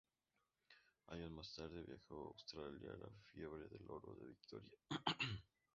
Años más tarde, viajó a Australia a la fiebre del oro de Victoria.